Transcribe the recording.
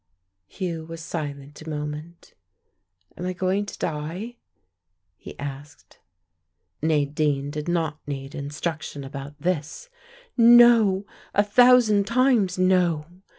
Hugh was silent a moment. "Am I going to die?" he asked. Nadine did not need instruction about this. "No, a thousand times, no!"